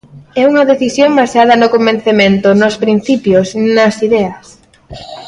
É unha decisión baseada no convencemento, nos principios, nas ideas.